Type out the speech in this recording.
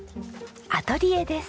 アトリエです。